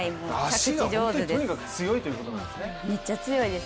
足が本当に強いということなんですね。